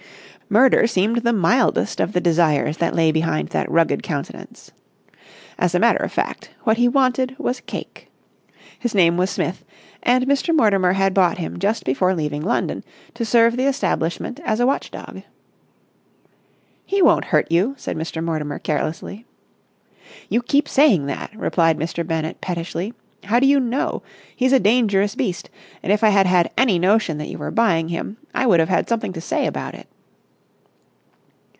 Murder seemed the mildest of the desires that lay behind that rugged countenance. As a matter of fact, what he wanted was cake. His name was Smith, and Mr. Mortimer had bought him just before leaving London to serve the establishment as a watch dog. "He won't hurt you," said Mr. Mortimer carelessly. "You keep saying that!" replied Mr. Bennett pettishly. "How do you know? He's a dangerous beast, and if I had had any notion that you were buying him, I would have had something to say about it!"